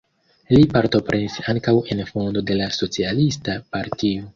Li partoprenis ankaŭ en fondo de la socialista partio.